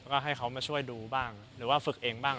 ก็ให้เขามาช่วยดูบ้างหรือว่าฝึกเองบ้าง